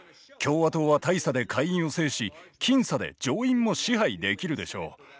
共和党は大差で下院を制し僅差で上院も支配できるでしょう。